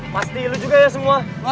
pasti lu juga ya semua